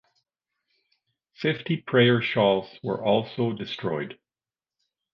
Fifty prayer shawls were also destroyed.